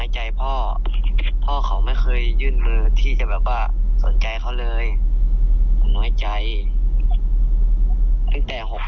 แท้อะไรขอซื้อด้วยตัวเอง